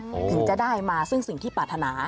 ถึงจะได้มาซึ่งสิ่งที่ปรารถนา